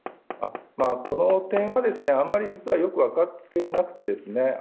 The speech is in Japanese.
この点は、あんまり実はよく分かっていなくてですね